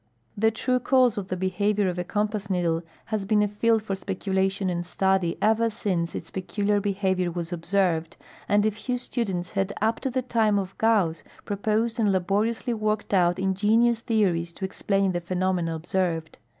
The tme cause of the behavior of a compass needle has been a field for speculation and study ever since its peculiar behavior was observed, and a few students had up to the time of Gauss proposed and laboriously worked out ingenious theories to explain the phenomena observed.